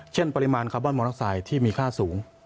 ปริมาณคาร์บอนมอเตอร์ไซค์ที่มีค่าสูง